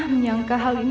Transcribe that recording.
kamu pergi ke sana